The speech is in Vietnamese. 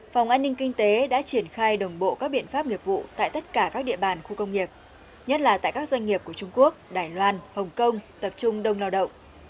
phòng an ninh kinh tế đã triển khai đồng bộ các biện pháp nghiệp vụ tại tất cả các địa bàn khu công nghiệp nhất là tại các doanh nghiệp của trung quốc đài loan hồng kông tập trung đông lao động